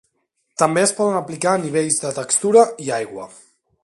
També es poden aplicar nivells de textura i aigua.